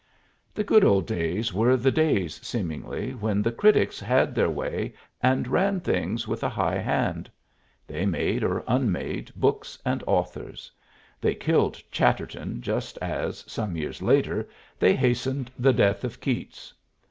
The good old days were the days, seemingly, when the critics had their way and ran things with a high hand; they made or unmade books and authors. They killed Chatterton, just as, some years later, they hastened the death of Keats.